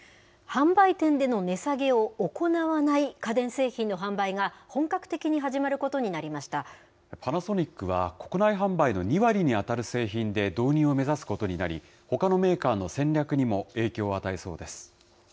販売店での値下げを行わない家電製品の販売が、本格的に始まパナソニックは、国内販売の２割に当たる製品で導入を目指すことになり、ほかのメーカーの戦略にも影響を与えそうです。